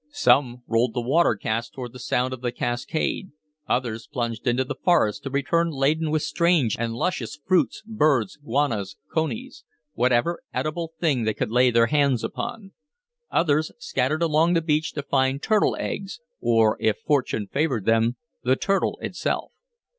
Some rolled the water casks toward the sound of the cascade; others plunged into the forest, to return laden with strange and luscious fruits, birds, guanas, conies, whatever eatable thing they could lay hands upon; others scattered along the beach to find turtle eggs, or, if fortune favored them, the turtle itself.